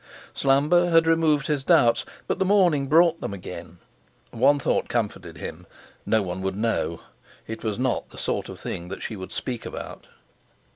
Slumber had removed his doubts, but the morning brought them again. One thought comforted him: No one would know—it was not the sort of thing that she would speak about.